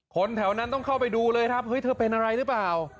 คนแถวนั้นต้องเข้าไปดูเลยครับเฮ้ยเธอเป็นอะไรหรือเปล่า